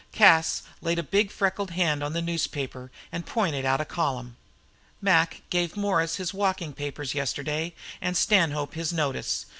Cas laid a big freckled hand on the newspaper and pointed out a column. "Mac gave Morris his walking papers yesterday and Stanhope his notice.